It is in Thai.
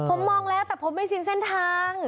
ผมมองแล้วแต่ผมไม่ชินเส้นทาง